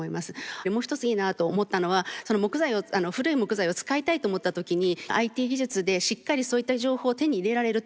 もう一ついいなと思ったのはその木材を古い木材を使いたいと思った時にＩＴ技術でしっかりそういった情報を手に入れられると。